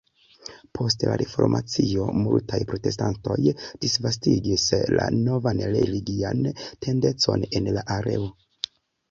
Post la Reformacio, multaj protestantoj disvastigis la novan religian tendencon en la areo.